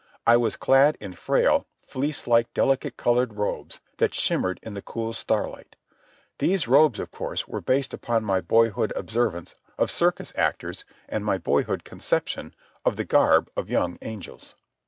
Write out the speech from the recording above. I was clad in frail, fleece like, delicate coloured robes that shimmered in the cool starlight. These robes, of course, were based upon my boyhood observance of circus actors and my boyhood conception of the garb of young angels.